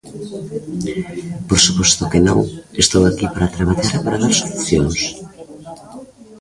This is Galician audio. Por suposto que non, estou aquí para traballar e para dar solucións.